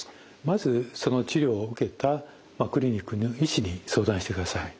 まずその治療を受けたクリニックの医師に相談してください。